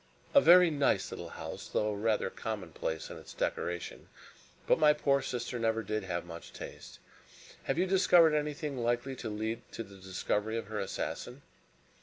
"A very nice little house, though rather commonplace in its decoration; but my poor sister never did have much taste. Have you discovered anything likely to lead to the discovery of her assassin?"